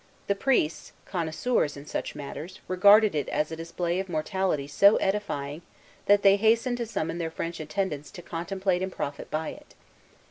The priests, connoisseurs in such matters, regarded it as a display of mortality so edifying, that they hastened to summon their French attendants to contemplate and profit by it.